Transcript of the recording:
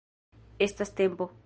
Estas tempo!